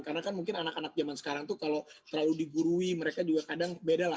karena kan mungkin anak anak zaman sekarang tuh kalau terlalu digurui mereka juga kadang beda lah